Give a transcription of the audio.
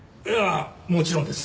もちろんです。